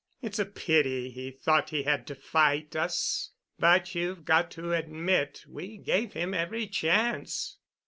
It's a pity he thought he had to fight us, but you've got to admit we gave him every chance."